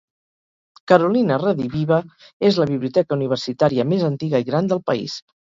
Carolina Rediviva és la biblioteca universitària més antiga i gran del país.